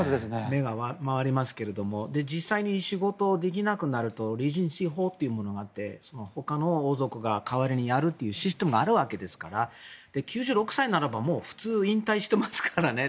目が回りますが実際に仕事できなくなるとほかの王族が代わりにやるというシステムがあるわけですから９６歳ならばもう普通引退してますからね。